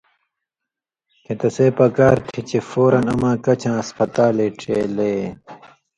کھیں تسے پکار تھی چے فوراً اما کچھاں ہسپتالے ڇېلیے۔